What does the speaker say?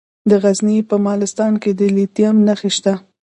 د غزني په مالستان کې د لیتیم نښې شته.